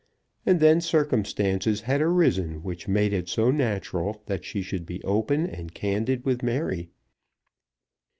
And then circumstances had arisen which made it so natural that she should be open and candid with Mary.